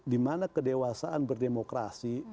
dimana kedewasaan berdemokrasi